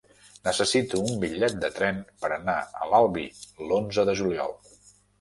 Necessito un bitllet de tren per anar a l'Albi l'onze de juliol.